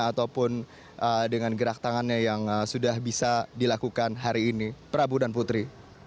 ataupun dengan gerak tangannya yang sudah bisa dilakukan hari ini prabu dan putri